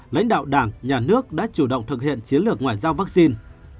lãnh đạo đảng nhà nước đã chủ động thực hiện chiến lược ngoại giao vaccine